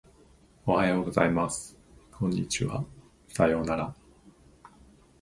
おはようございます。こんにちは。さようなら。